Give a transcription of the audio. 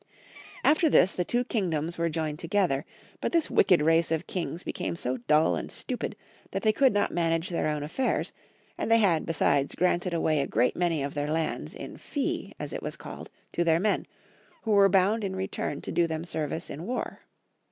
After this the two kingdoms were joined to gether; but this wicked race of kings become so dull and stupid that they could not manage their own affairs, and they had, besides, granted away a great many of their lands in fee, as it was called, 7^6' FranhB. 66 to their men, who were bound in return to do them service in war.